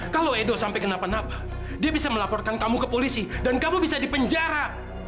kalau edo sampai kenapa napa dia bisa melaporkan kamu ke polisi dan kamu bisa dipenjara